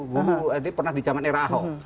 guru ini pernah di jaman era ho